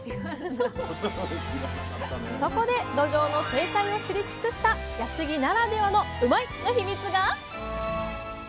そこでどじょうの生態を知り尽くした安来ならではのうまいッ！のヒミツが！